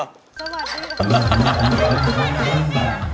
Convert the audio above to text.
สวัสดี